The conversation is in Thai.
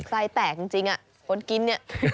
ไส้แตกจริงคนกินเนี่ย